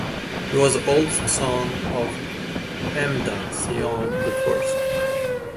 He was the eldest son of Amda Seyon the First.